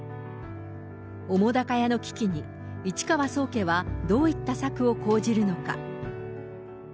澤瀉屋の危機に市川宗家はどういった策を講じるのか。